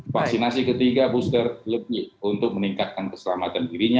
vaksinasi ketiga booster lebih untuk meningkatkan keselamatan dirinya